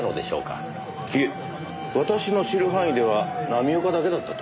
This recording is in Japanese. いえ私の知る範囲では浪岡だけだったと。